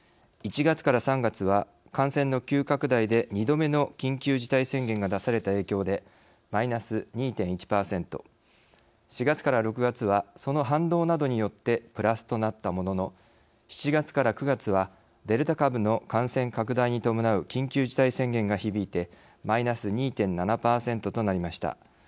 １月から３月は感染の急拡大で２度目の緊急事態宣言が出された影響でマイナス２．１％４月から６月はその反動などによってプラスとなったものの７月から９月はデルタ株の感染拡大に伴う緊急事態宣言が響いてマイナス２．７％となりました。